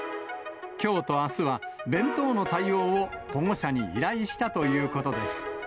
きょうとあすは、弁当の対応を保護者に依頼したということです。